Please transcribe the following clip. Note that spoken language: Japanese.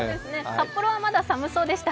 札幌はまだ寒そうでした。